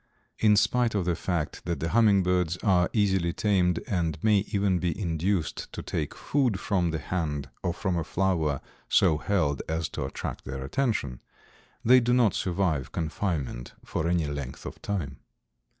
In spite of the fact that the hummingbirds are easily tamed and may even be induced to take food from the hand or from a flower so held as to attract their attention, they do not survive confinement for any length of time.